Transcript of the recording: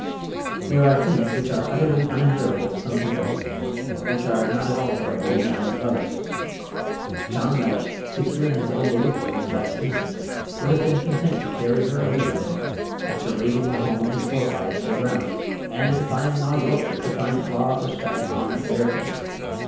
There are things which are utterly unendurable to some people, but which are not at all terrible in the eyes of others. John Mellish, secure in his own belief in his wife's innocence, would have been content to carry her away with him, after razing the home of his forefathers to the ground, and defying all Yorkshire to find flaw or speck upon her fair fame.